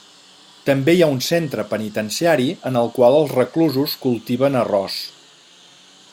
També hi ha un centre penitenciari en el qual els reclusos cultiven arròs.